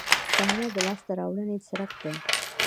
• ثانیه د لاسته راوړنې څرک دی.